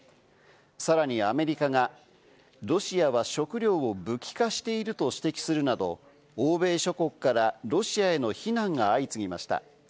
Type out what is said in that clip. さらにアメリカがロシアは食糧を武器化していると指摘するなど、欧米諸国からロシアへの非難が相次ぎました。